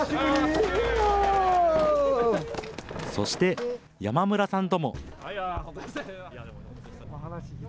そして、山村さんとも。